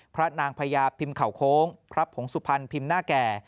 พระนางพญาพิมพ์เขาโค้งพระผงสุพรรณพิมพ์หน้าแก่